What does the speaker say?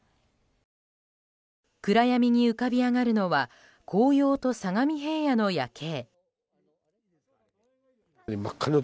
暗闇に浮かび上がるのは紅葉と相模平野の夜景。